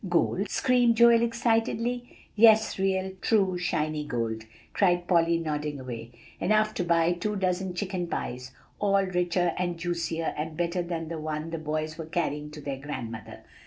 "Gold?" screamed Joel excitedly. "Yes, real, true shiny gold," cried Polly, nodding away; "enough to buy two dozen chicken pies, all richer and juicier and better than the one the boys were carrying to their grandmother."